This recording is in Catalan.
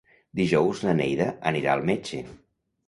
Dijous na Neida anirà al metge.